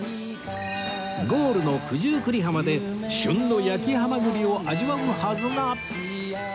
ゴールの九十九里浜で旬の焼きハマグリを味わうはずが